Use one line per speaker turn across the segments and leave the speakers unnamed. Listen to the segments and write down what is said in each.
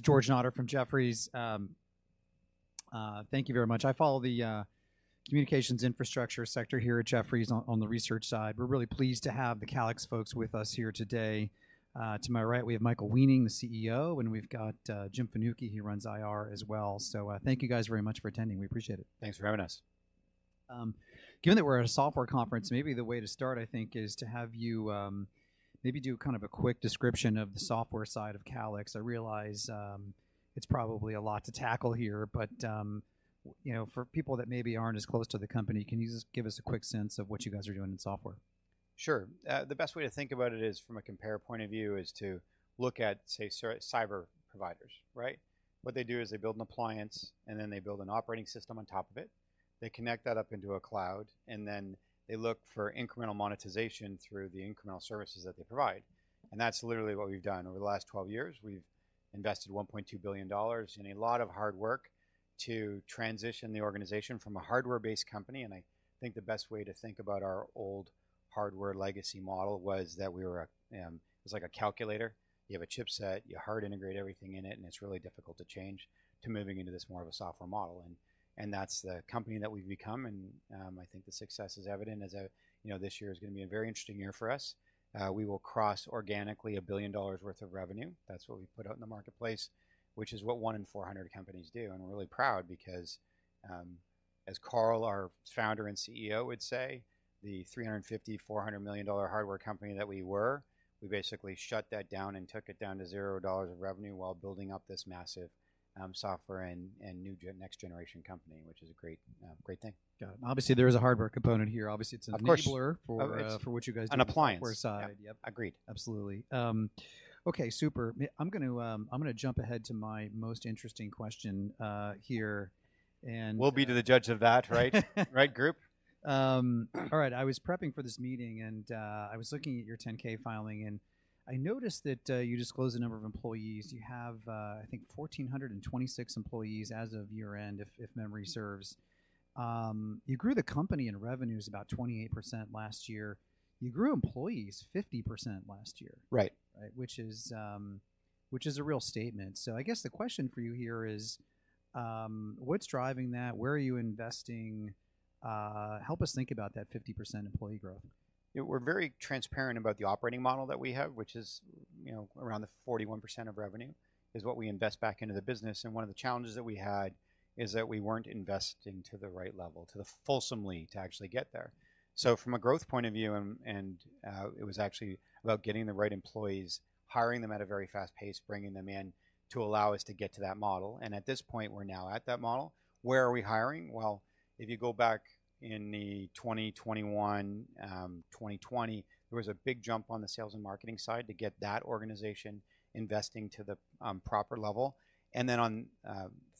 George Notter from Jefferies. Thank you very much. I follow the communications infrastructure sector here at Jefferies on the research side. We're really pleased to have the Calix folks with us here today. To my right, we have Michael Weening, the CEO, and we've got Jim Fanucchi, he runs IR as well. Thank you guys very much for attending. We appreciate it.
Thanks for having us.
Given that we're at a software conference, maybe the way to start, I think, is to have you, maybe do kind of a quick description of the software side of Calix. I realize, it's probably a lot to tackle here, but, you know, for people that maybe aren't as close to the company, can you just give us a quick sense of what you guys are doing in software?
Sure. The best way to think about it is from a compare point of view, is to look at, say, cyber providers, right? What they do is they build an appliance, and then they build an operating system on top of it. They connect that up into a cloud, and then they look for incremental monetization through the incremental services that they provide, and that's literally what we've done. Over the last 12 years, we've invested $1.2 billion and a lot of hard work to transition the organization from a hardware-based company, and I think the best way to think about our old hardware legacy model was that we were a... It was like a calculator. You have a chipset, you hard integrate everything in it, and it's really difficult to change, to moving into this more of a software model. That's the company that we've become. I think the success is evident as, you know, this year is gonna be a very interesting year for us. We will cross organically $1 billion worth of revenue, that's what we put out in the marketplace, which is what 1 in 400 companies do. We're really proud because, as Carl, our Founder and CEO, would say, the $350 million-$400 million hardware company that we were, we basically shut that down and took it down to $0 of revenue while building up this massive software and next generation company, which is a great thing.
Got it. Obviously, there is a hardware component here. Obviously.
Of course....
an enabler.
Oh, right.
for what you guys do.
An appliance.
-software side. Yep.
Agreed.
Absolutely. Okay, super. I'm gonna jump ahead to my most interesting question, here, and-
We'll be to the judge of that, right? Right, group?
All right. I was prepping for this meeting, and I was looking at your 10-K filing, and I noticed that you disclosed the number of employees. You have, I think, 1,426 employees as of year-end, if memory serves. You grew the company and revenues about 28% last year. You grew employees 50% last year.
Right.
Right, which is, which is a real statement. I guess the question for you here is: What's driving that? Where are you investing? Help us think about that 50% employee growth.
We're very transparent about the operating model that we have, which is, you know, around the 41% of revenue is what we invest back into the business, and one of the challenges that we had is that we weren't investing to the right level to the fulsomely to actually get there. From a growth point of view, it was actually about getting the right employees, hiring them at a very fast pace, bringing them in to allow us to get to that model, and at this point, we're now at that model. Where are we hiring? If you go back in the 2021, 2020, there was a big jump on the sales and marketing side to get that organization investing to the proper level.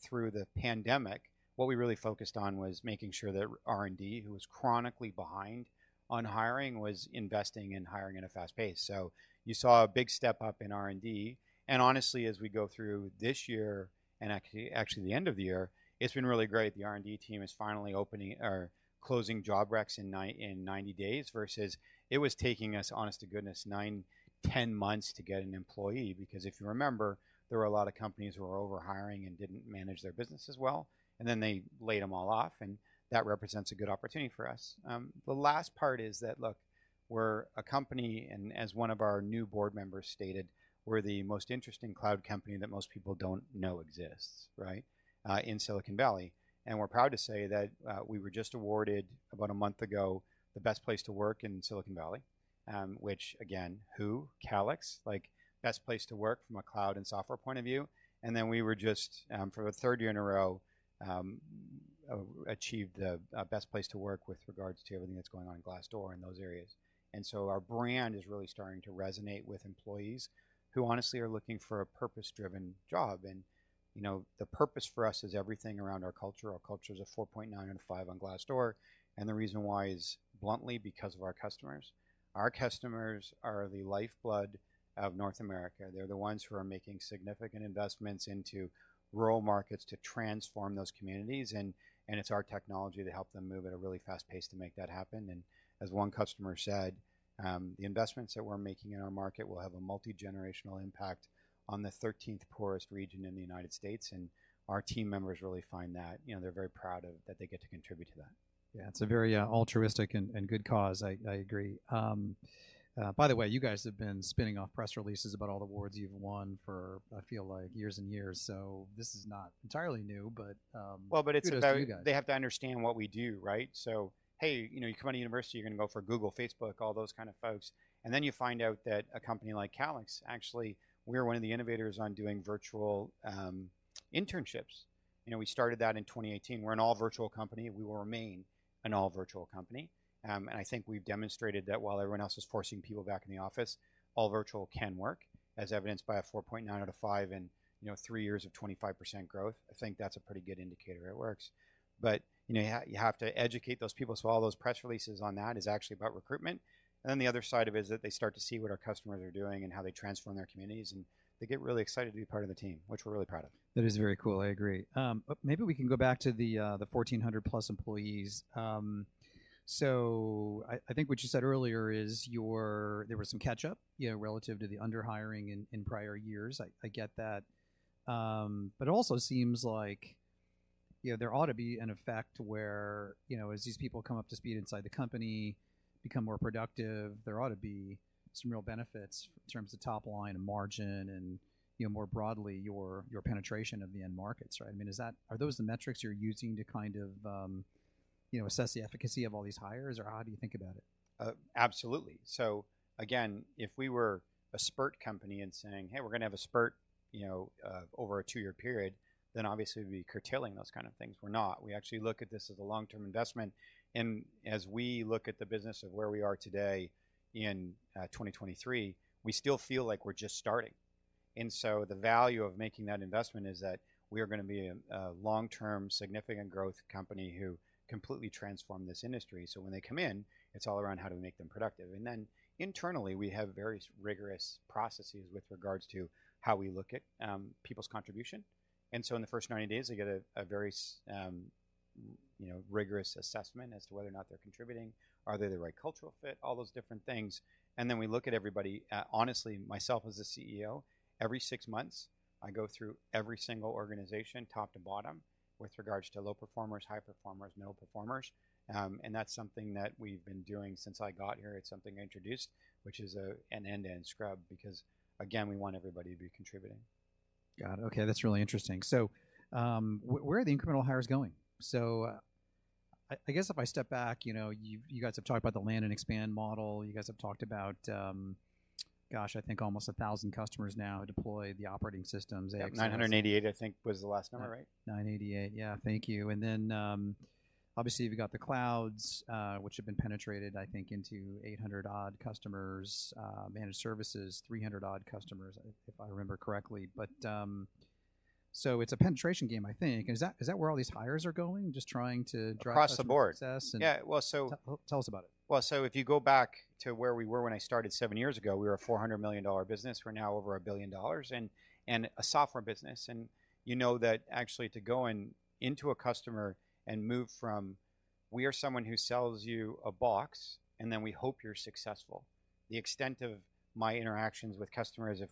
Through the pandemic, what we really focused on was making sure that R&D, who was chronically behind on hiring, was investing and hiring at a fast pace. You saw a big step up in R&D, and honestly, as we go through this year and actually the end of the year, it's been really great. The R&D team is finally opening or closing job recs in 90 days, versus it was taking us, honest to goodness, 9, 10 months to get an employee. If you remember, there were a lot of companies who were over-hiring and didn't manage their businesses well, they laid them all off, and that represents a good opportunity for us. The last part is that, look, we're a company, and as one of our new board members stated, "We're the most interesting cloud company that most people don't know exists," right? In Silicon Valley. We're proud to say that we were just awarded, about a month ago, the best place to work in Silicon Valley. Which again, who? Calix. Like, best place to work from a cloud and software point of view. Then we were just for the third year in a row achieved the best place to work with regards to everything that's going on in Glassdoor and those areas. So our brand is really starting to resonate with employees, who honestly are looking for a purpose-driven job. You know, the purpose for us is everything around our culture. Our culture is a 4.9 out of 5 on Glassdoor. The reason why is bluntly because of our customers. Our customers are the lifeblood of North America. They're the ones who are making significant investments into rural markets to transform those communities, and it's our technology to help them move at a really fast pace to make that happen. As one customer said, "The investments that we're making in our market will have a multi-generational impact on the 13th poorest region in the United States," and our team members really find that. You know, they're very proud of that they get to contribute to that.
Yeah, it's a very altruistic and good cause, I agree. You guys have been spinning off press releases about all the awards you've won for, I feel like, years and years, so this is not entirely new, but,
Well.
Kudos to you guys....
they have to understand what we do, right? Hey, you know, you come out of university, you're gonna go for Google, Facebook, all those kind of folks, and then you find out that a company like Calix, actually, we're one of the innovators on doing virtual internships. You know, we started that in 2018. We're an all-virtual company, we will remain an all-virtual company. And I think we've demonstrated that while everyone else is forcing people back in the office, all-virtual can work, as evidenced by a 4.9 out of 5 and, you know, 3 years of 25% growth. I think that's a pretty good indicator it works. You know, you have to educate those people, so all those press releases on that is actually about recruitment. The other side of it is that they start to see what our customers are doing and how they transform their communities, and they get really excited to be part of the team, which we're really proud of.
That is very cool. I agree. Maybe we can go back to the 1,400 plus employees. I think what you said earlier is there was some catch up, you know, relative to the under hiring in prior years. I get that. It also seems like, you know, there ought to be an effect where, you know, as these people come up to speed inside the company, become more productive, there ought to be some real benefits in terms of top line and margin and, you know, more broadly, your penetration of the end markets, right? I mean, are those the metrics you're using to kind of, you know, assess the efficacy of all these hires, or how do you think about it?
Absolutely. Again, if we were a spurt company and saying, "Hey, we're going to have a spurt, you know, over a two-year period," then obviously we'd be curtailing those kind of things. We're not. We actually look at this as a long-term investment, and as we look at the business of where we are today in 2023, we still feel like we're just starting. The value of making that investment is that we are going to be a long-term, significant growth company who completely transformed this industry. When they come in, it's all around how do we make them productive? Internally, we have various rigorous processes with regards to how we look at people's contribution. In the first 90 days, they get a very, you know, rigorous assessment as to whether or not they're contributing. Are they the right cultural fit? All those different things. We look at everybody, honestly, myself, as the CEO, every 6 months, I go through every single organization, top to bottom, with regards to low performers, high performers, middle performers. That's something that we've been doing since I got here. It's something I introduced, which is an end-to-end scrub, because, again, we want everybody to be contributing.
Got it. Okay, that's really interesting. Where are the incremental hires going? I guess if I step back, you know, you guys have talked about the land and expand model. You guys have talked about, gosh, I think almost 1,000 customers now deploy the operating systems...
988, I think was the last number, right?
988. Yeah, thank you. Obviously, you've got the clouds, which have been penetrated, I think, into 800 odd customers, managed services, 300 odd customers, if I remember correctly. It's a penetration game, I think. Is that where all these hires are going, just trying to drive?
Across the board....
success
Yeah. Well.
Tell us about it.
If you go back to where we were when I started seven years ago, we were a $400 million business. We're now over $1 billion and a software business, and you know that actually to go into a customer and move from we are someone who sells you a box, and then we hope you're successful. The extent of my interactions with customers, if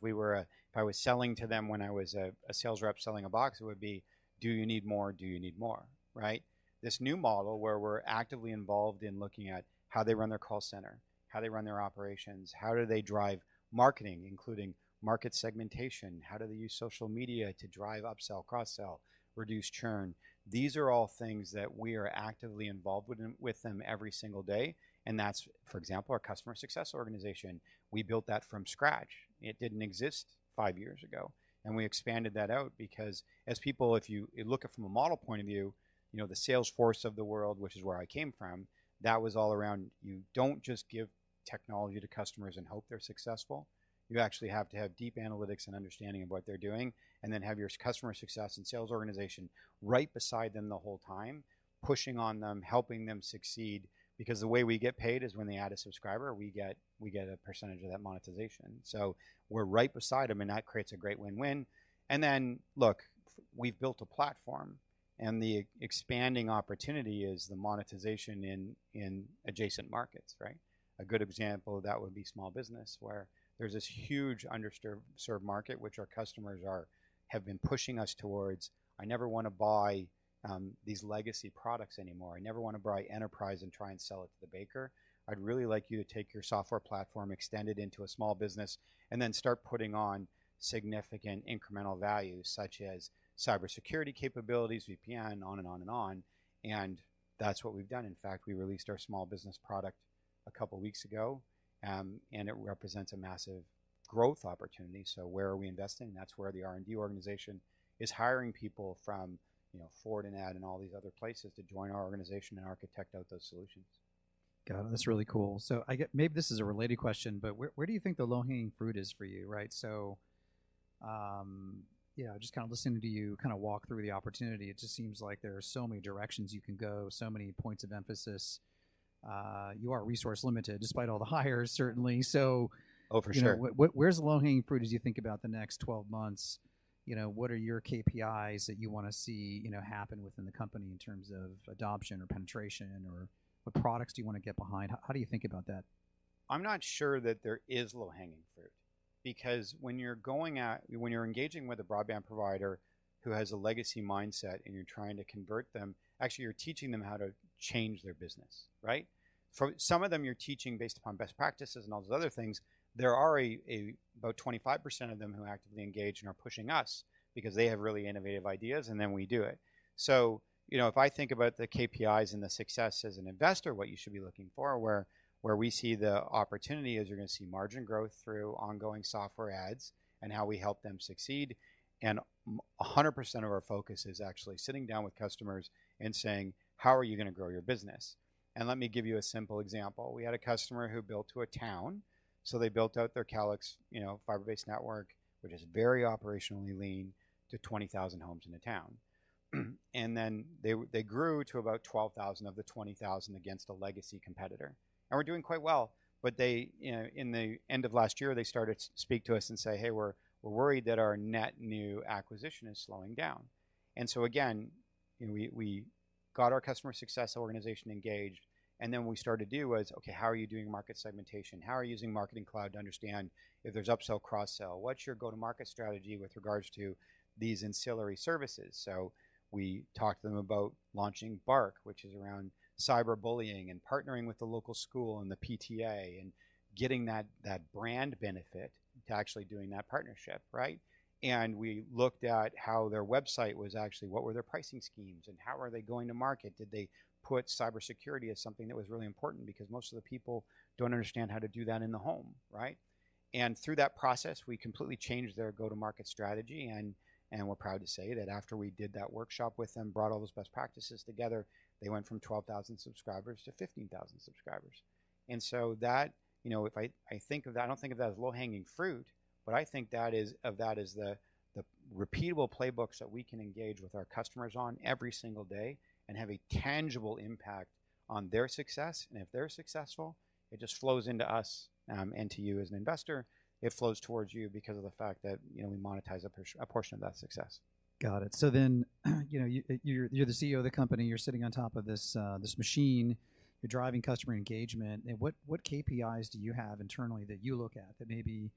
I was selling to them when I was a sales rep selling a box, it would be: Do you need more? Do you need more, right? This new model, where we're actively involved in looking at how they run their call center, how they run their operations, how do they drive marketing, including market segmentation, how do they use social media to drive upsell, cross-sell, reduce churn? These are all things that we are actively involved with them every single day. That's, for example, our customer success organization. We built that from scratch. It didn't exist five years ago. We expanded that out because as people, if you look at it from a model point of view, you know, the Salesforce of the world, which is where I came from, that was all around you don't just give technology to customers and hope they're successful. You actually have to have deep analytics and understanding of what they're doing. Then have your customer success and sales organization right beside them the whole time, pushing on them, helping them succeed, because the way we get paid is when they add a subscriber, we get a percentage of that monetization. We're right beside them, and that creates a great win-win. Look, we've built a platform, and the expanding opportunity is the monetization in adjacent markets, right? A good example of that would be small business, where there's this huge underserved market, which our customers have been pushing us towards. "I never want to buy these legacy products anymore. I never want to buy enterprise and try and sell it to the baker. I'd really like you to take your software platform, extend it into a small business, and then start putting on significant incremental value, such as cybersecurity capabilities, VPN, on and on and on." That's what we've done. In fact, we released our small business product a couple weeks ago, and it represents a massive growth opportunity. Where are we investing? That's where the R&D organization is hiring people from, you know, Ford and AMD and all these other places to join our organization and architect out those solutions.
Got it. That's really cool. Maybe this is a related question, but where do you think the low-hanging fruit is for you, right? You know, just kind of listening to you kind of walk through the opportunity, it just seems like there are so many directions you can go, so many points of emphasis. You are resource-limited, despite all the hires, certainly.
Oh, for sure.
Where's the low-hanging fruit as you think about the next 12 months? You know, what are your KPIs that you want to see, you know, happen within the company in terms of adoption or penetration, or what products do you want to get behind? How do you think about that?
I'm not sure that there is low-hanging fruit, because when you're engaging with a broadband provider who has a legacy mindset and you're trying to convert them, actually, you're teaching them how to change their business, right? For some of them, you're teaching based upon best practices and all those other things. There are about 25% of them who actively engage and are pushing us because they have really innovative ideas, and then we do it. If I think about the KPIs and the success as an investor, what you should be looking for, where we see the opportunity is you're going to see margin growth through ongoing software ads and how we help them succeed. 100% of our focus is actually sitting down with customers and saying: How are you going to grow your business? Let me give you a simple example. We had a customer who built to a town, they built out their Calix, you know, fiber-based network, which is very operationally lean to 20,000 homes in the town. They grew to about 12,000 of the 20,000 against a legacy competitor. We're doing quite well, they, you know, in the end of last year, they started to speak to us and say, "Hey, we're worried that our net new acquisition is slowing down." Again, you know, we got our customer success organization engaged, what we started to do was, "Okay, how are you doing market segmentation? How are you using Marketing Cloud to understand if there's upsell, cross-sell? What's your go-to-market strategy with regards to these ancillary services? We talked to them about launching Bark, which is around cyberbullying and partnering with the local school and the PTA, and getting that brand benefit to actually doing that partnership, right? We looked at how their website was actually. What were their pricing schemes, and how are they going to market? Did they put cybersecurity as something that was really important? Because most of the people don't understand how to do that in the home, right? Through that process, we completely changed their go-to-market strategy, and we're proud to say that after we did that workshop with them, brought all those best practices together, they went from 12,000 subscribers to 15,000 subscribers. That, you know, if I think of that, I don't think of that as low-hanging fruit, but I think of that as the repeatable playbooks that we can engage with our customers on every single day and have a tangible impact on their success. If they're successful, it just flows into us, and to you as an investor. It flows towards you because of the fact that, you know, we monetize a portion of that success.
Got it. you know, you're the CEO of the company, you're sitting on top of this machine, you're driving customer engagement, and what KPIs do you have internally that you look at that maybe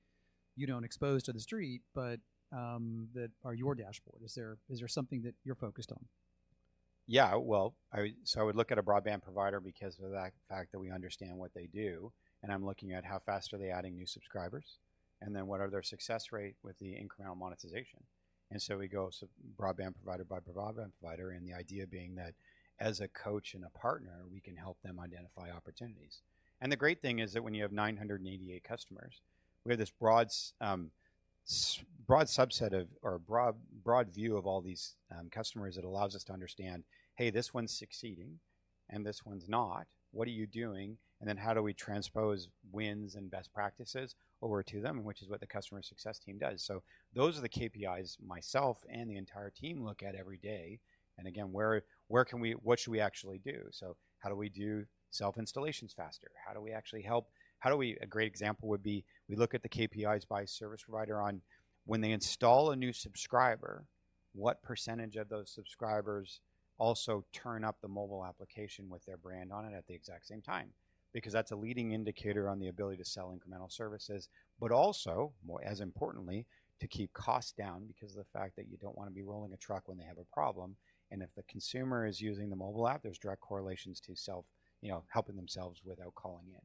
you don't expose to the street, but, that are your dashboard? Is there something that you're focused on?
Well, I would look at a broadband provider because of the fact that we understand what they do, and I'm looking at how fast are they adding new subscribers, and then what are their success rate with the incremental monetization. We go, so broadband provider by broadband provider, and the idea being that as a coach and a partner, we can help them identify opportunities. The great thing is that when you have 988 customers, we have this broad subset of or broad view of all these customers that allows us to understand, "Hey, this one's succeeding and this one's not. What are you doing? And then how do we transpose wins and best practices over to them?" Which is what the customer success team does. Those are the KPIs myself and the entire team look at every day. Again, what should we actually do? How do we do self-installations faster? How do we actually help? A great example would be, we look at the KPIs by service provider on when they install a new subscriber, what % of those subscribers also turn up the mobile application with their brand on it at the exact same time? That's a leading indicator on the ability to sell incremental services, but also, more, as importantly, to keep costs down because of the fact that you don't want to be rolling a truck when they have a problem. If the consumer is using the mobile app, there's direct correlations to self, you know, helping themselves without calling in.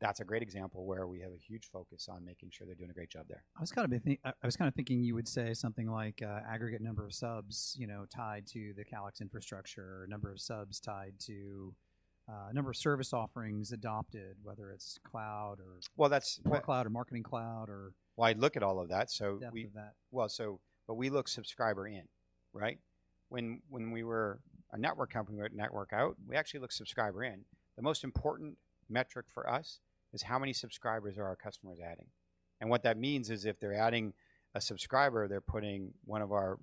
That's a great example where we have a huge focus on making sure they're doing a great job there.
I was kind of thinking you would say something like, aggregate number of subs, you know, tied to the Calix infrastructure, or number of subs tied to, number of service offerings adopted, whether it's cloud.
Well, that's-
Support Cloud or Marketing Cloud,
Well, I look at all of that, so.
Depth of that.
We look subscriber in, right? When we were a network company, we network out, we actually look subscriber in. The most important metric for us is how many subscribers are our customers adding. What that means is, if they're adding a subscriber, they're putting one of our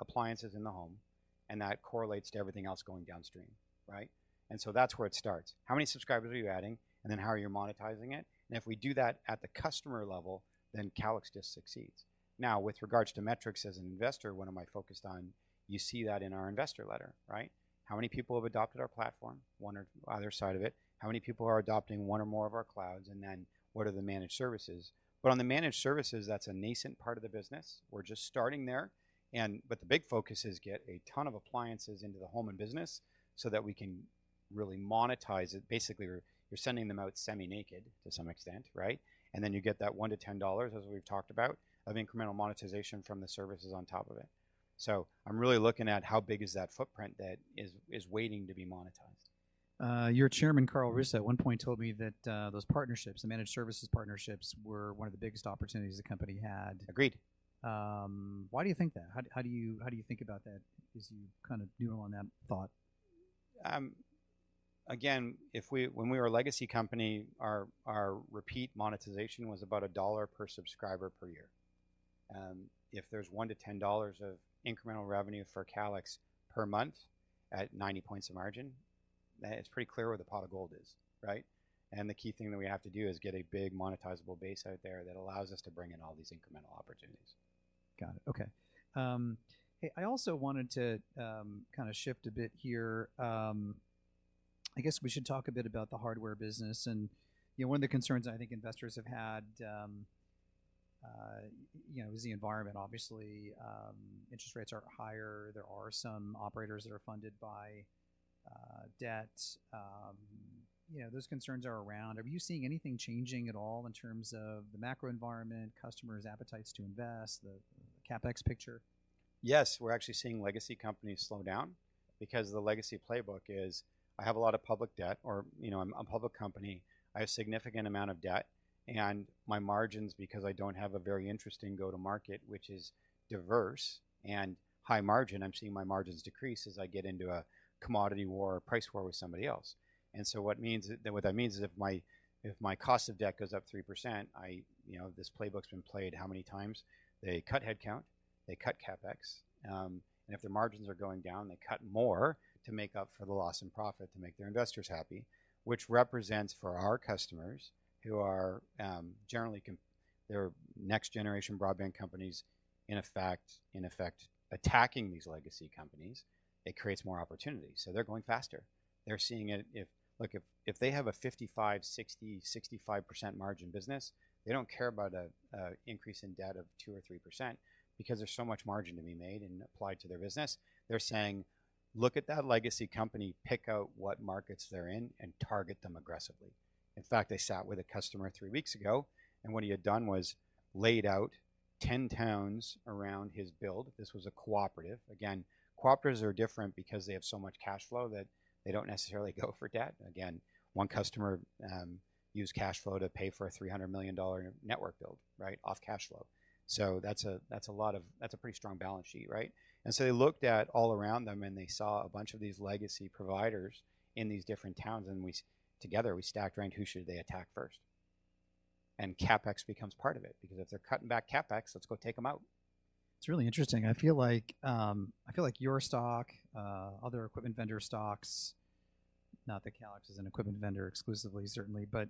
appliances in the home, and that correlates to everything else going downstream, right? That's where it starts. How many subscribers are you adding, and then how are you monetizing it? If we do that at the customer level, then Calix just succeeds. Now, with regards to metrics, as an investor, what am I focused on? You see that in our investor letter, right? How many people have adopted our platform, one or either side of it. How many people are adopting one or more of our clouds, and then what are the managed services? On the managed services, that's a nascent part of the business. We're just starting there, but the big focus is get a ton of appliances into the home and business so that we can really monetize it. Basically, you're sending them out semi-naked to some extent, right? Then you get that $1-$10, as we've talked about, of incremental monetization from the services on top of it. I'm really looking at how big is that footprint that is waiting to be monetized.
Your Chairman, Carl Russo, at one point told me that those partnerships, the managed services partnerships, were one of the biggest opportunities the company had.
Agreed.
Why do you think that? How do you think about that as you kind of noodle on that thought?
Again, when we were a legacy company, our repeat monetization was about $1 per subscriber per year. If there's $1-$10 of incremental revenue for Calix per month at 90 points of margin, then it's pretty clear where the pot of gold is, right? The key thing that we have to do is get a big monetizable base out there that allows us to bring in all these incremental opportunities.
Got it. Okay. Hey, I also wanted to kind of shift a bit here. I guess we should talk a bit about the hardware business. You know, one of the concerns I think investors have had, you know, is the environment. Obviously, interest rates are higher. There are some operators that are funded by debt. You know, those concerns are around. Are you seeing anything changing at all in terms of the macro environment, customers' appetites to invest, the CapEx picture?
Yes, we're actually seeing legacy companies slow down because the legacy playbook is, I have a lot of public debt or, you know, I'm a public company. I have significant amount of debt. My margins, because I don't have a very interesting go-to-market, which is diverse and high margin, I'm seeing my margins decrease as I get into a commodity war or price war with somebody else. What that means is, if my, if my cost of debt goes up 3%, I... You know, this playbook's been played how many times? They cut headcount, they cut CapEx. If their margins are going down, they cut more to make up for the loss in profit to make their investors happy, which represents for our customers, who are generally. There are next generation broadband companies, in effect, attacking these legacy companies, it creates more opportunities. They're going faster. They're seeing it look, if they have a 55%, 60%, 65% margin business, they don't care about a increase in debt of 2% or 3%, because there's so much margin to be made and applied to their business. They're saying, "Look at that legacy company, pick out what markets they're in, and target them aggressively." In fact, they sat with a customer three weeks ago, and what he had done was laid out 10 towns around his build. This was a cooperative. Cooperatives are different because they have so much cash flow that they don't necessarily go for debt. One customer used cash flow to pay for a $300 million network build, right? Off cash flow. That's a pretty strong balance sheet, right? They looked at all around them, and they saw a bunch of these legacy providers in these different towns, and we together, we stacked ranked who should they attack first. CapEx becomes part of it, because if they're cutting back CapEx, let's go take them out.
It's really interesting. I feel like your stock, other equipment vendor stocks, not that Calix is an equipment vendor exclusively, certainly, but,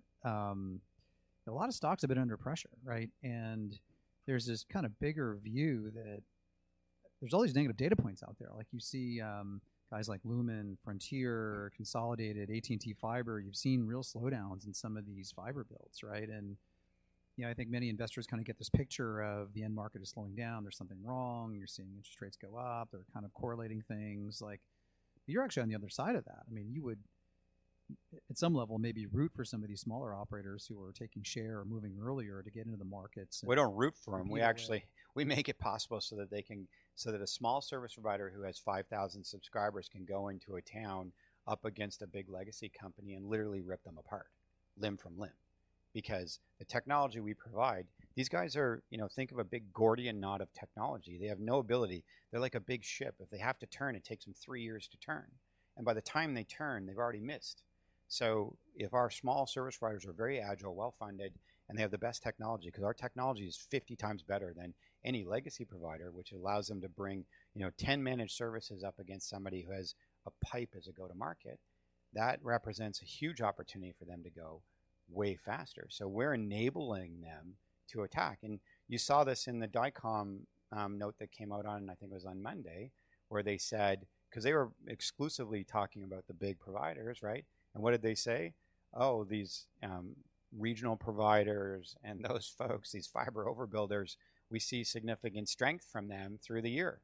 a lot of stocks have been under pressure, right? There's this kind of bigger view that there's all these negative data points out there. Like, you see, guys like Lumen, Frontier, Consolidated, AT&T Fiber, you've seen real slowdowns in some of these fiber builds, right? You know, I think many investors kind of get this picture of the end market is slowing down, there's something wrong, you're seeing interest rates go up. They're kind of correlating things. Like, you're actually on the other side of that. I mean, you would, at some level, maybe root for some of these smaller operators who are taking share or moving earlier to get into the markets.
We don't root for them.
Yeah.
We actually make it possible so that a small service provider who has 5,000 subscribers can go into a town up against a big legacy company and literally rip them apart, limb from limb. Because the technology we provide, these guys are. You know, think of a big Gordian knot of technology. They have no ability. They're like a big ship. If they have to turn, it takes them three years to turn, and by the time they turn, they've already missed. If our small service providers are very agile, well-funded, and they have the best technology, because our technology is 50 times better than any legacy provider, which allows them to bring, you know, 10 managed services up against somebody who has a pipe as a go-to-market, that represents a huge opportunity for them to go way faster. We're enabling them to attack. You saw this in the Dycom note that came out on, I think it was on Monday, where they said... Because they were exclusively talking about the big providers, right? What did they say? "These regional providers and those folks, these fiber overbuilders, we see significant strength from them through the year."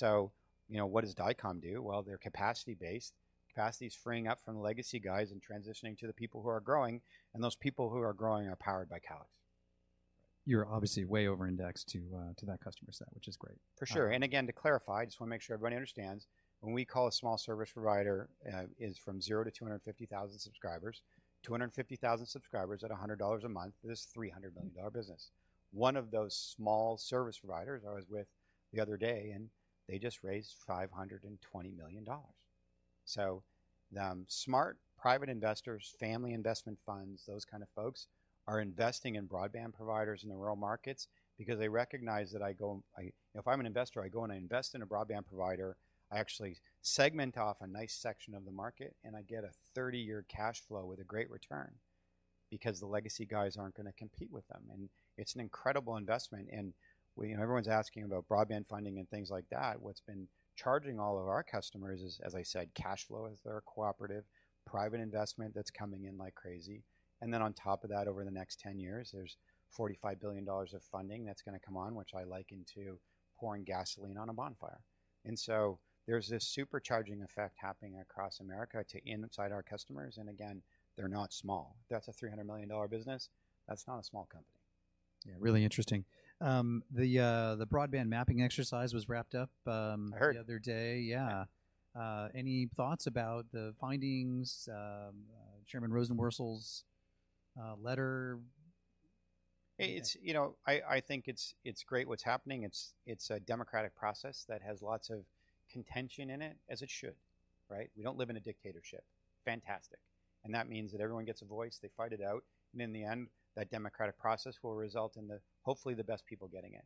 You know, what does Dycom do? Well, they're capacity-based. Capacity is freeing up from the legacy guys and transitioning to the people who are growing, and those people who are growing are powered by Calix.
You're obviously way over indexed to that customer set, which is great.
For sure. Again, to clarify, I just want to make sure everybody understands, when we call a small service provider, is from 0 to 250,000 subscribers. 250,000 subscribers at $100 a month, is $300 million dollar business. One of those small service providers I was with the other day, they just raised $520 million. Smart private investors, family investment funds, those kind of folks, are investing in broadband providers in the rural markets because they recognize that I go, if I'm an investor, I go and I invest in a broadband provider, I actually segment off a nice section of the market, and I get a 30-year cash flow with a great return, because the legacy guys aren't going to compete with them. It's an incredible investment. We, you know, everyone's asking about broadband funding and things like that. What's been charging all of our customers is, as I said, cash flow is their cooperative, private investment that's coming in like crazy. On top of that, over the next 10 years, there's $45 billion of funding that's going to come on, which I liken to pouring gasoline on a bonfire. There's this supercharging effect happening across America to inside our customers, and again, they're not small. That's a $300 million business. That's not a small company.
Yeah, really interesting. The broadband mapping exercise was wrapped up.
I heard....
the other day. Yeah. Any thoughts about the findings, Chairman Rosenworcel's letter?
It's, you know, I think it's great what's happening. It's a democratic process that has lots of contention in it, as it should, right? We don't live in a dictatorship. Fantastic. That means that everyone gets a voice, they fight it out, and in the end, that democratic process will result in the, hopefully, the best people getting in.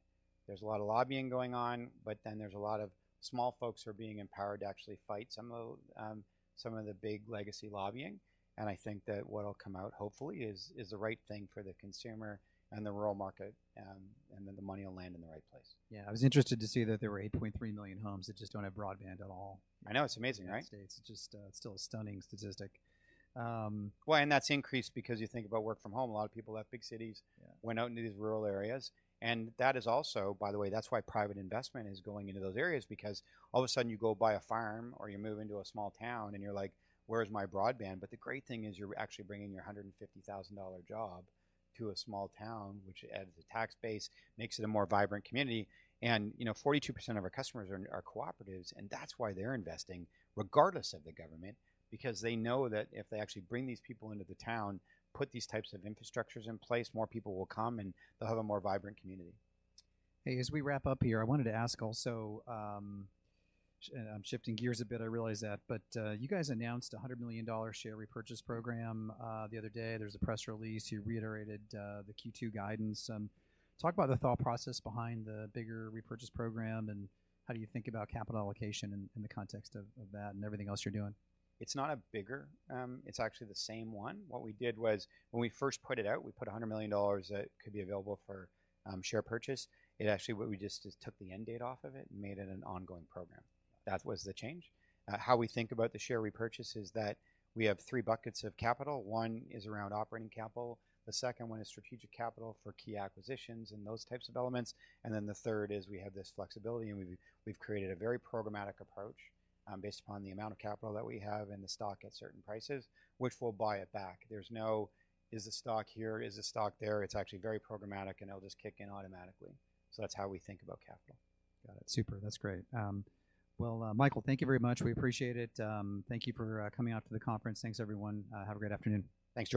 There's a lot of lobbying going on, there's a lot of small folks who are being empowered to actually fight some of the big legacy lobbying. I think that what will come out, hopefully, is the right thing for the consumer and the rural market, the money will land in the right place.
Yeah, I was interested to see that there were 8.3 million homes that just don't have broadband at all.
I know, it's amazing, right?
U.S. It's just, still a stunning statistic.
Well, that's increased because you think about work from home. A lot of people left big cities...
Yeah...
went out into these rural areas. That is also, by the way, that's why private investment is going into those areas, because all of a sudden you go buy a farm or you move into a small town, and you're like, Where's my broadband? The great thing is you're actually bringing your $150,000 job to a small town, which adds a tax base, makes it a more vibrant community. You know, 42% of our customers are cooperatives, and that's why they're investing, regardless of the government, because they know that if they actually bring these people into the town, put these types of infrastructures in place, more people will come, and they'll have a more vibrant community.
Hey, as we wrap up here, I wanted to ask also, I'm shifting gears a bit, I realize that, but, you guys announced a $100 million share repurchase program the other day. There was a press release. You reiterated the Q2 guidance. Talk about the thought process behind the bigger repurchase program, and how do you think about capital allocation in the context of that and everything else you're doing?
It's not a bigger, it's actually the same one. What we did was, when we first put it out, we put $100 million that could be available for share purchase. It actually, we just took the end date off of it and made it an ongoing program. That was the change. How we think about the share repurchase is that we have three buckets of capital. One is around operating capital, the second one is strategic capital for key acquisitions and those types of elements, and then the third is we have this flexibility, and we've created a very programmatic approach, based upon the amount of capital that we have and the stock at certain prices, which we'll buy it back. There's no, "Is the stock here? Is the stock there?" It's actually very programmatic, and it'll just kick in automatically. That's how we think about capital.
Got it. Super, that's great. Well, Michael, thank you very much. We appreciate it. Thank you for coming out to the conference. Thanks, everyone. Have a great afternoon.
Thanks, George.